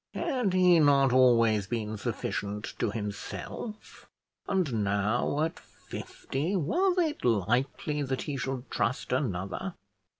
Had he not always been sufficient to himself, and now, at fifty, was it likely that he should trust another?